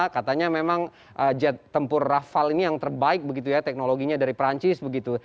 katanya memang jet tempur rafale ini yang terbaik teknologinya dari perancis